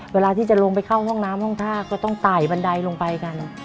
เวลาที่จะลงไปเข้าห้องน้ำห้องท่าก็ต้องไต่บันไดลงไปกัน